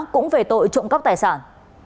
cũng về tội trộm cắp tài sản